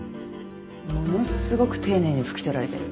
ものすごく丁寧にふき取られてる。